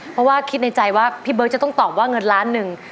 เพราะว่าคิดในใจว่าพี่เบิร์ตจะต้องตอบว่าเงินล้านหนึ่ง